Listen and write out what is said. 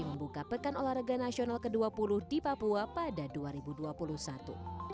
membuka pekan olahraga nasional ke dua puluh di papua barat